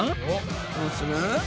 どうする？